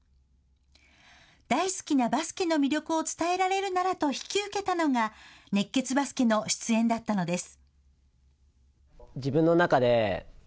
大好きなバスケの魅力を伝えられるならと引き受けたのが「熱血バスケ」の出演だったのです。